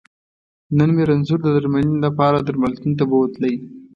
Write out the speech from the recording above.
نن مې رنځور د درمنلې لپاره درملتون ته بوتلی